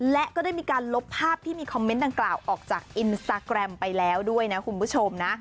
และก็ได้มีการลบภาพที่มีคอมเมนต์ดังกล่าวออกจากอินสตาแกรมไปแล้วด้วยนะคุณผู้ชมนะ